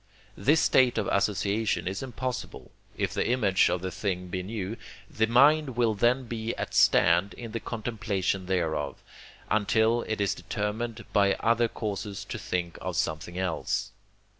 This state of association is impossible, if the image of the thing be new; the mind will then be at a stand in the contemplation thereof, until it is determined by other causes to think of something else.